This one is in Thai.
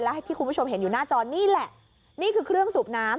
และที่คุณผู้ชมเห็นอยู่หน้าจอนี่แหละนี่คือเครื่องสูบน้ำ